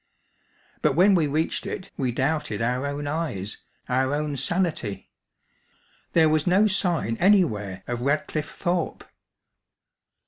But when we reached it we doubted our own eyes, our own sanity. There was no sign anywhere of Radcliffe Thorpe!